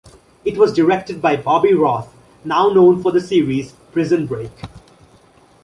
It was directed by Bobby Roth, now known for the series "Prison Break".